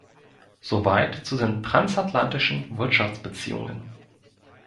Soweit zu den transatlantischen Wirtschaftsbeziehungen.